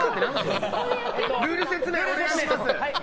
ルール説明をお願いします。